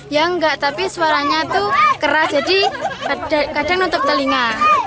ya enggak tapi suaranya itu keras jadi kadang nutup telinga